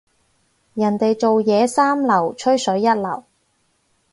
本人做嘢三流，吹水一流。